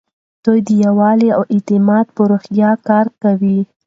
دوی د یووالي او اعتماد په روحیه کار کوي.